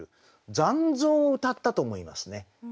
残像をうたったと思いますね。